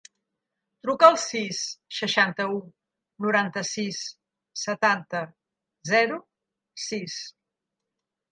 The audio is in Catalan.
Truca al sis, seixanta-u, noranta-sis, setanta, zero, sis.